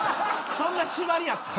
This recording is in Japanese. そんな縛りやったん？